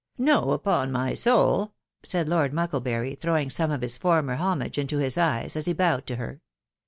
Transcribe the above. " No ! upon my seal !°.... said Lord Mucklebury, throw. ing some of his former homage into his eyes as he bowed to her.